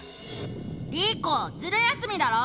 「リコズル休みだろ！